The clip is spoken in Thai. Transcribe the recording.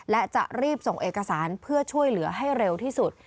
และจะรีบส่งเอกสารเพื่อช่วยเหลือให้เร็วที่สุด